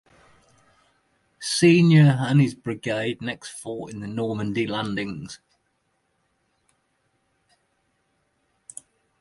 Senior and his brigade next fought in the Normandy landings.